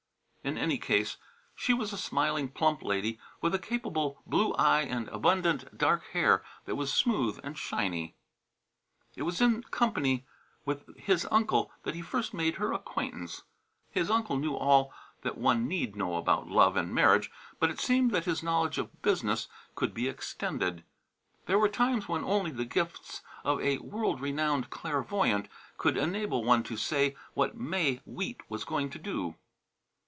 In any case she was a smiling, plump lady with a capable blue eye and abundant dark hair that was smooth and shiny. It was in company with his uncle that he first made her acquaintance. His uncle knew all that one need know about Love and Marriage, but it seemed that his knowledge of Business could be extended. There were times when only the gifts of a world renowned clairvoyant could enable one to say what May wheat was going to do.